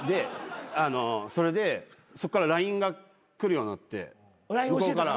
それでそっからＬＩＮＥが来るようになって向こうから。